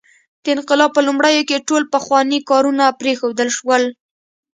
د انقلاب په لومړیو کې ټول پخواني کارونه پرېښودل شول.